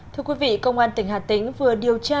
thưa quý vị công an tỉnh hà tĩnh vừa điều tra